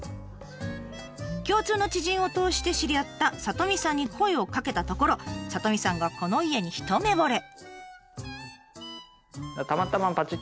共通の知人を通して知り合った里美さんに声をかけたところ里美さんがこの家に一目ぼれ。